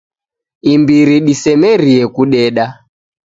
Imbiri disemerie kudeda